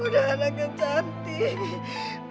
udah anaknya cantik